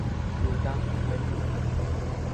দূর্দান্ত খেলেন তিনি।